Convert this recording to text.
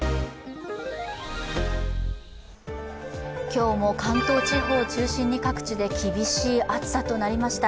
今日も関東地方を中心に各地で厳しい暑さとなりました。